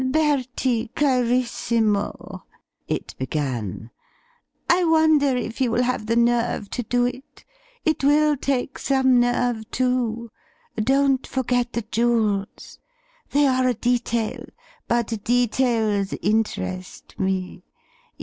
"Bertie, carissimo," it began, "I wonder if you will have the nerve to do it: it will take some nerve, too. Don't forget the jewels. They are a detail, but details interest me.